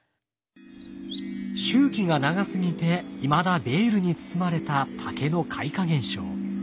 周期が長すぎていまだベールに包まれた竹の開花現象。